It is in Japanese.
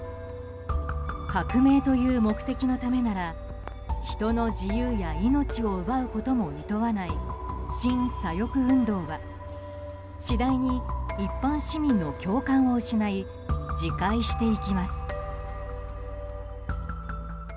革命という目的のためなら人の自由や命を奪うこともいとわない新左翼運動は次第に、一般市民の共感を失い自壊していきます。